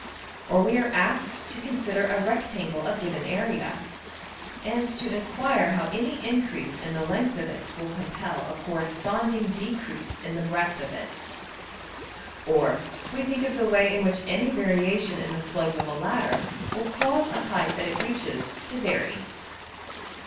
Or we are asked to consider a rectangle of given area, and to enquire how any increase in the length of it will compel a corresponding decrease in the breadth of it. Or we think of the way in which any variation in the slope of a ladder will cause the height that it reaches,\DPnote{ TN: awkward, but serves a purpose} to vary.